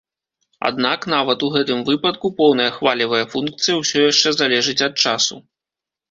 Аднак, нават у гэтым выпадку поўная хвалевая функцыя ўсё яшчэ залежыць ад часу.